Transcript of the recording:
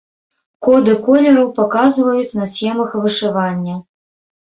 Коды колераў паказваюць на схемах вышывання.